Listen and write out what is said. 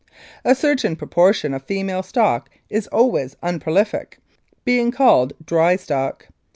"A certain proportion of female stock is always un prolific, being called * dry stock.'